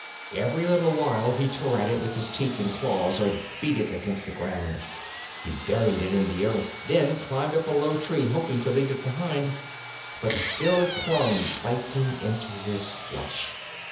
Every little while he tore at it with his teeth and claws, or beat it against the ground. He buried it in the earth, then climbed a low tree, hoping to leave it behind; but still it clung, biting into his flesh.